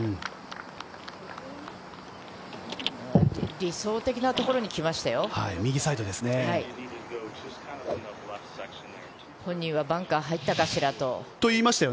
理想的なところにきましたよ。